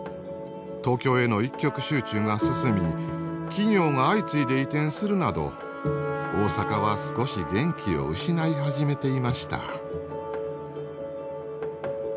東京への一極集中が進み企業が相次いで移転するなど大阪は少し元気を失い始めていました。